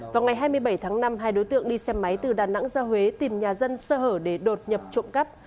vào ngày hai mươi bảy tháng năm hai đối tượng đi xe máy từ đà nẵng ra huế tìm nhà dân sơ hở để đột nhập trộm cắp